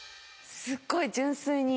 すっごい純粋に。